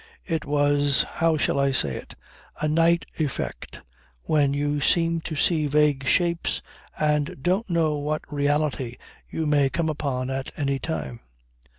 It was how shall I say it? a night effect when you seem to see vague shapes and don't know what reality you may come upon at any time.